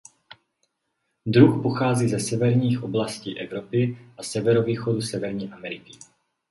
Druh pochází ze severních oblastí Evropy a severovýchodu Severní Ameriky.